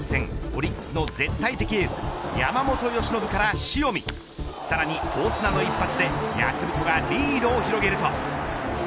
オリックスの絶対的エース山本由伸から塩見さらにオスナの一発でヤクルトがリードを広げると。